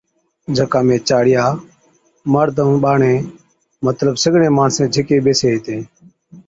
جڪا ۾ چاڙِيا، مرد ائُون ٻاڙين مطلب سِگڙين ماڻسين جھِڪي ٻيسي ھِتين